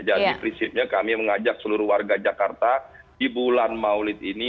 jadi prinsipnya kami mengajak seluruh warga jakarta di bulan maulid ini